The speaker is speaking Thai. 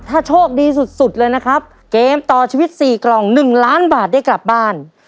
ถ้าโชคดีสุดสุดเลยนะครับเกมต่อชีวิต๔กล่อง๑ล้านบาทได้กลับบ้าน